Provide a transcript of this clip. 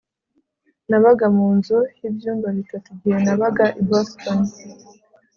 Nabaga mu nzu yibyumba bitatu igihe nabaga i Boston